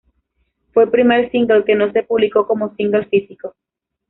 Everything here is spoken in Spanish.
Fue el primer single que no se publicó como single físico.